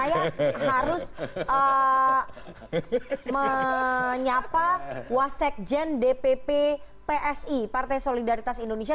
saya harus menyapa wasekjen dpp psi partai solidaritas indonesia